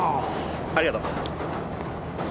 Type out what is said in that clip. ありがとう。